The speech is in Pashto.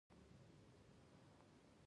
د موټر شاتنۍ هېنداره مهمه ده.